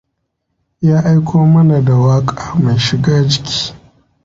Ya aiko mana da waƙa mai shiga jiki.